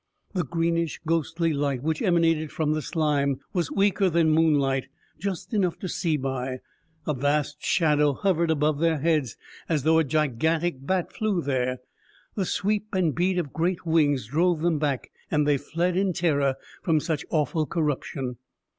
The greenish, ghostly light which emanated from the slime was weaker than moonlight, just enough to see by; a vast shadow hovered above their heads, as though a gigantic bat flew there. The sweep and beat of great wings drove them back, and they fled in terror from such awful corruption.